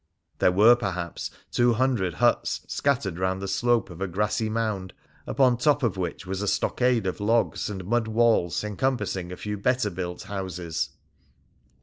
There were, perhaps, two hundred huts scattered round the slope of a grassy mound, upon top of which was a stockade of logs and mud walls encompassing a few better built houses.